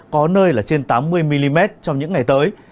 có nơi là trên tám mươi mm trong những ngày tới